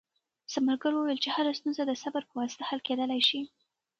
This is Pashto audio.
ثمرګل وویل چې هره ستونزه د صبر په واسطه حل کېدلای شي.